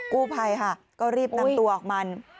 กู้ภัยค่ะก็รีบนำตัวออกมา